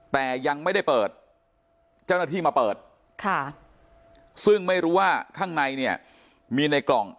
แต่ยังไม่ได้เปิดเจ้าหน้าที่มาเปิดค่ะซึ่งไม่รู้ว่าข้างในเนี่ยมีในกล่อง